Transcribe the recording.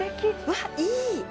わっいい！